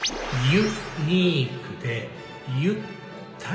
「ユ・ニークでゆ・ったり」。